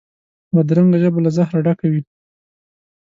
بدرنګه ژبه له زهره ډکه وي